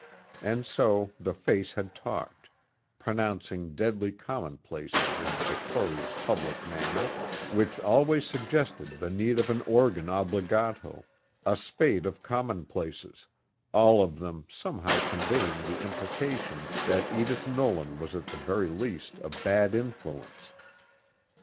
And so the Face had talked, pronouncing deadly commonplaces in Victoria's public manner, which always suggested the need of an organ obligato a spate of commonplaces, all of them somehow conveying the implication that Edith Nolan was at the very least a Bad Influence.